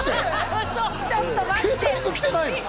ええケータリング来てないの？